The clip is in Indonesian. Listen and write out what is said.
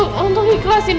putri aku gak mau